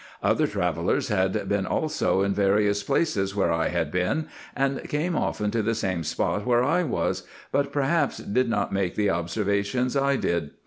Other travellers had been also in various places where I had been, and came often to the same spot where I was, but perhaps did not make the observations I did.